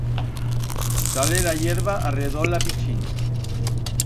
Sale la hierba arredol a pichín.